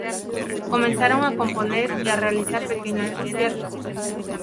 Comenzaron a componer y a realizar pequeños conciertos.